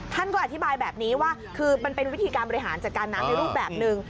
ท่านก็อธิบายแบบนี้ว่าคือมันเป็นวิธีการบริหารจัดการน้ำในรูปแบบหนึ่ง